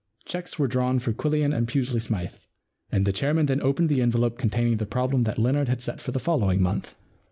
* Cheques were drawn for Quillian and Pusely Smythe, and the chairman then opened the envelope containing the problem that Leonard had set for the following month.